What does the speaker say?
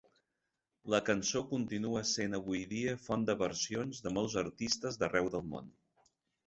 La cançó continua essent avui dia font de versions de molts artistes d'arreu del món.